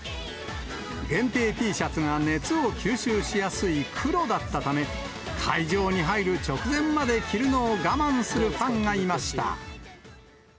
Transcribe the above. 限定Ｔシャツが熱を吸収しやすい黒だったため、会場に入る直前まで着るのを我慢するファンがいました。